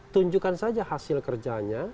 tunjukkan saja hasil kerjanya